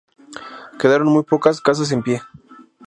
Quedaron muy pocas casas en pie.